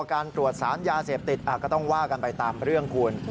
การตรวจสารยาเสพติดก็ต้องว่ากันไปตามเรื่องคุณ